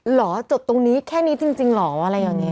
หรอจบตรงนี้แค่นี้จริงหรออะไรแบบนี้